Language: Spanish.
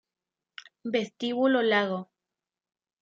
Vestíbulo Lago